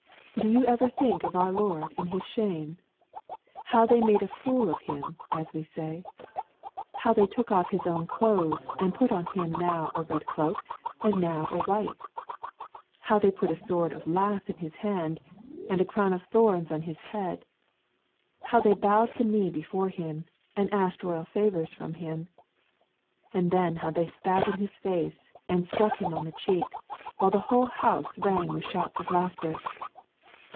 Do you ever think of your Lord in His shame? How they made a fool of Him, as we say. How they took off His own clothes and put on Him now a red cloak and now a white; how they put a sword of lath in His hand, and a crown of thorns on His head; how they bowed the knee before Him, and asked royal favours from Him; and then how they spat in His face, and struck Him on the cheek, while the whole house rang with shouts of laughter.